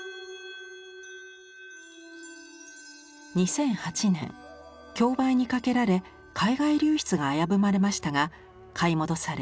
２００８年競売にかけられ海外流出が危ぶまれましたが買い戻され